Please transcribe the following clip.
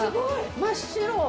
真っ白。